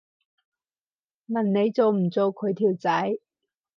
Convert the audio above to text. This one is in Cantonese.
問你做唔做佢條仔